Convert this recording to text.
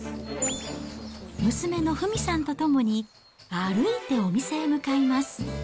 娘の富美さんと共に歩いてお店へ向かいます。